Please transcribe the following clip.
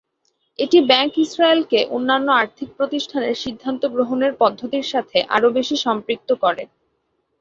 এটি ব্যাংক ইসরায়েলকে অন্যান্য আর্থিক প্রতিষ্ঠানের সিদ্ধান্ত গ্রহণের পদ্ধতির সাথে আরও বেশি সম্পৃক্ত করে।